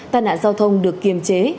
tàn nạn giao thông được kiềm chế